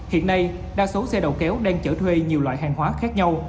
hiện nay đa số xe đầu kéo đang chở thuê nhiều loại hàng hóa khác nhau